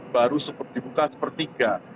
baru dibuka sepertiga